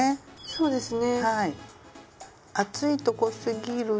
そうですね。